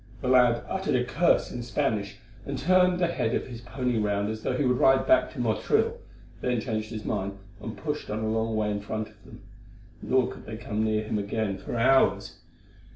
The lad uttered a Spanish curse, and turned the head of his pony round as though he would ride back to Motril, then changed his mind and pushed on a long way in front of them, nor could they come near him again for hours.